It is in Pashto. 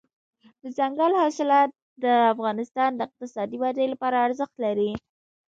دځنګل حاصلات د افغانستان د اقتصادي ودې لپاره ارزښت لري.